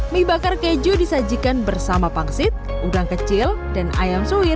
mie bakar keju disajikan bersama pangsit udang kecil dan ayam suir